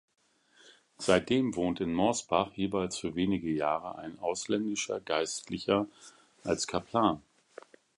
Seitdem wohnt in Morsbach jeweils für wenige Jahre ein ausländischer Geistlicher als Kaplan.